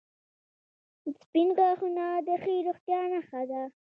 • سپین غاښونه د ښې روغتیا نښه ده.